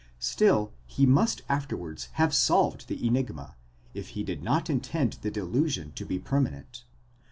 still he must afterwards have solved the enigma, if he did not intend the delusion to be permanent.